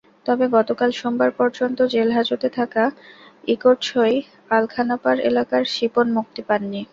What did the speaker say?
তবে গতকাল সোমবার পর্যন্ত জেলহাজতে থাকা ইকড়ছই আলখানাপাড় এলাকার সিপন মুক্তি পাননি।